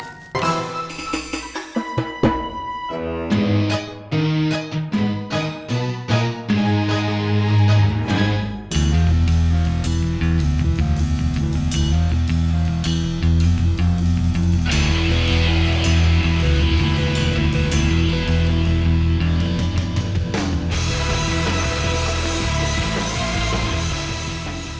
pernah ketemu di table